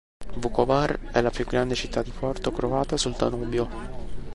Vukovar è la più grande città di porto croata sul Danubio.